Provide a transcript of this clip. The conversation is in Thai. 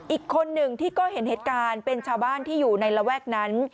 อีกคนหนึ่งที่ก็เห็นเหตุการณ์เป็นชาวบ้านที่อยู่ในระแวกนั้น